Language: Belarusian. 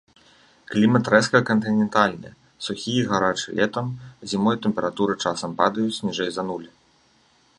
Клімат рэзка кантынентальны, сухі і гарачы летам, зімой тэмпературы часам падаюць ніжэй за нуль.